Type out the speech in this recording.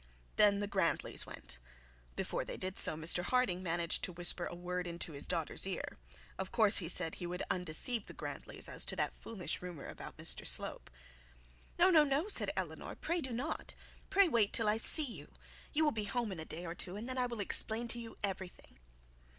Then the Grantlys went. Before they did so Mr Harding managed to whisper a word into his daughter's ear. Of course, he said, he would undeceive the Grantlys as to that foolish rumour about Mr Slope. 'No, no, no,' said Eleanor; 'pray do not pray wait till I see you. You will be home in a day or two, and then I will explain to you everything.'